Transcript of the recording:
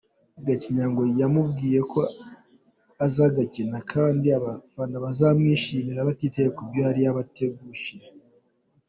Gacinya ngo yamubwiye ko aza agakina kandi abafana bazamwishimira batitaye ko yari yabatengushye.